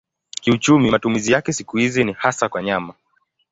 Kiuchumi matumizi yake siku hizi ni hasa kwa nyama.